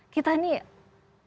kita ini orang dewasa